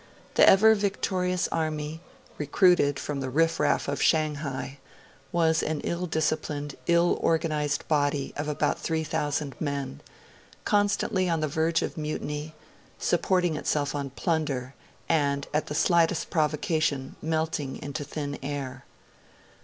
The Ever Victorious Army, recruited from the riff raff of Shanghai, was an ill disciplined, ill organised body of about three thousand men, constantly on the verge of mutiny, supporting itself on plunder, and, at the slightest provocation, melting into thin air.